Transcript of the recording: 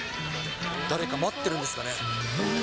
誰か待ってるんですかね。